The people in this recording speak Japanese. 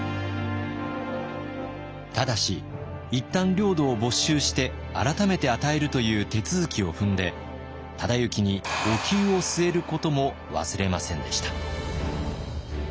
ただしいったん領土を「没収」して改めて与えるという手続きを踏んで忠之にお灸を据えることも忘れませんでした。